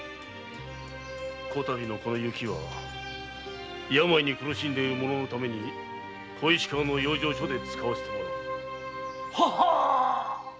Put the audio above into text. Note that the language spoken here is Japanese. こたびの雪は病に苦しんでいる者のために養生所で使わせてもらう。